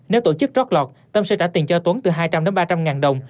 nếu tổ chức trót lọt tâm sẽ trả tiền cho tuấn từ hai trăm linh đến ba trăm linh ngàn đồng